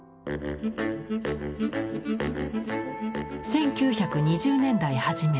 １９２０年代初め。